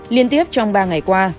liên tiếp trong ba ngày qua